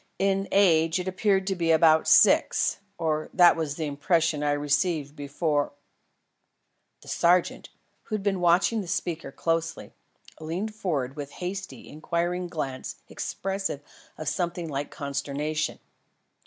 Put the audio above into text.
In age it appeared to be about six or that was the impression I received before " The sergeant, who had been watching the speaker very closely, leaned forward with a hasty, inquiring glance expressive of something like consternation.